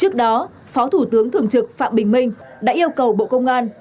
trước đó phó thủ tướng thường trực phạm bình minh đã yêu cầu bộ công an